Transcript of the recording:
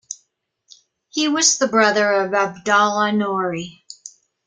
He was the brother of Abdollah Noori.